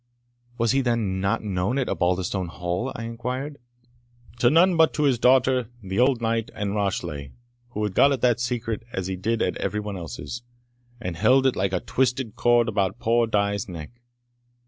"Was he, then, not known at Osbaldistone Hall?" I inquired. "To none but to his daughter, the old knight, and Rashleigh, who had got at that secret as he did at every one else, and held it like a twisted cord about poor Die's neck.